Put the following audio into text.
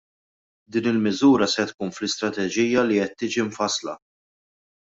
Din il-miżura se tkun fl-istrateġija li qed tiġi mfassla.